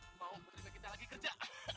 membawa menerima kita lagi kerja